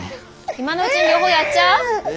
今のうちに両方やっちゃう？